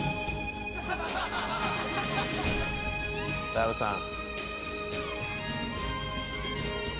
ダルさん。